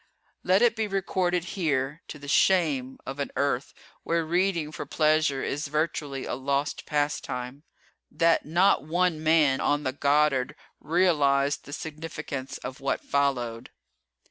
Let it be recorded here, to the shame of an Earth where reading for pleasure is virtually a lost pastime, that not one man on the Goddard realized the significance of what followed.